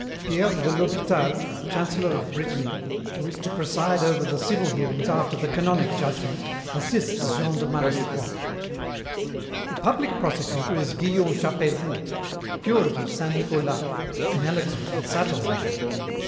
Pierre de l'Hospital, chancellor of Brittany, who is to preside over the civil hearings after the canonic judgment, assists Jean de Malestroit. "The public prosecutor is Guillaume Chapeiron, curate of Saint Nicolas, an eloquent and subtile man.